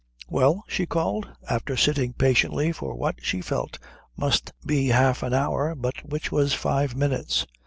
"Well?" she called, after sitting patiently for what she felt must be half an hour but which was five minutes.